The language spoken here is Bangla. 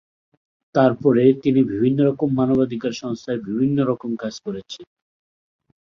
তারপরে, তিনি বিভিন্ন মানবাধিকার সংস্থায় বিভিন্ন রকম কাজ করেছেন।